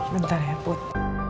bentar ya put